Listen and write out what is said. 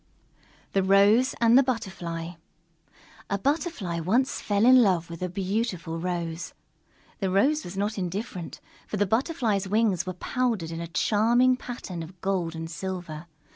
_ THE ROSE AND THE BUTTERFLY A Butterfly once fell in love with a beautiful Rose. The Rose was not indifferent, for the Butterfly's wings were powdered in a charming pattern of gold and silver.